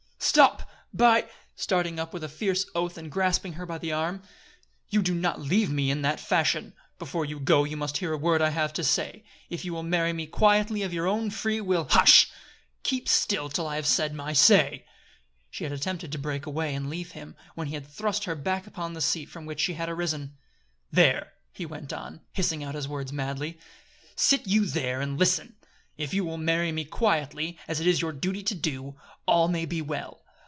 "Stop! By !" starting up with a fierce oath and grasping her by the arm. "You do not leave me in that fashion. Before you go you must hear a word I have to say. If you will marry me quietly of your own free will Hush! keep still till I have said my say!" She had attempted to break away and leave him, when he had thrust her back upon the seat from which she had arisen. "There!" he went on, hissing out his words madly. "Sit you there and listen: If you will marry me quietly, as it is your duty to do, all may be well.